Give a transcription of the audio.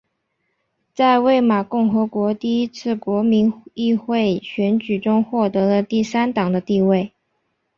在魏玛共和国第一次国民议会选举中获得了第三党的地位。